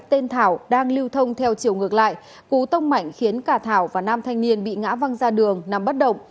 tên thảo đang lưu thông theo chiều ngược lại cú tông mạnh khiến cả thảo và nam thanh niên bị ngã văng ra đường nằm bất động